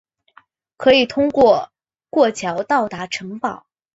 可以通过过桥到达城堡。